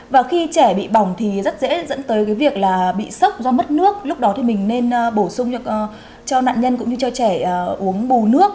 và khi trẻ bị bỏng thì rất dễ dẫn tới cái việc là bị sốc do mất nước lúc đó thì mình nên bổ sung cho nạn nhân cũng như cho trẻ uống bù nước